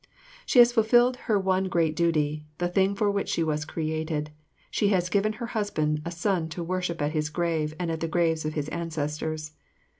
She has fulfilled her once great duty, the thing for which she was created: she has given her husband a son to worship at his grave and at the graves of his ancestors.